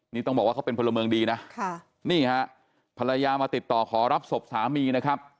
นี่ต้องบอกว่าเขาเป็นพลเมืองดีนะค่ะนี่ฮะภรรยามาติดต่อขอรับศพสามีนะครับ